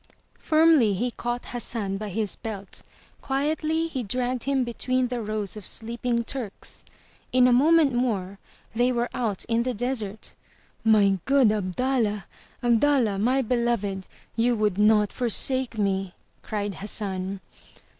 Firmly he caught Hassan by his belt; quietly he dragged him between the rows of sleeping Turks. In a moment more, they were out in the desert. '*My good Abdallah! Abdallah, my beloved! You would not forsake me!" cried Hassan.